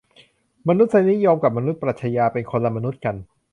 มนุษยนิยมกับมนุษยปรัชญา เป็นคนละมนุษย์กัน